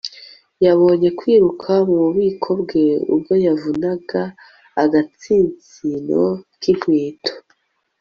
yabonye kwiruka mububiko bwe ubwo yavunaga agatsinsino k'inkweto